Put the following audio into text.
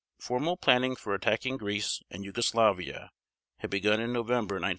Formal planning for attacking Greece and Yugoslavia had begun in November 1940.